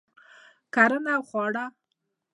کرنه او خواړه